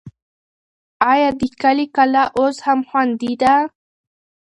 آیا د کلي کلا اوس هم خوندي ده؟